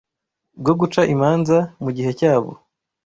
bwo guca imanza mu gihe cyabo